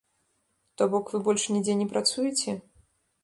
То бок, вы больш нідзе не працуеце?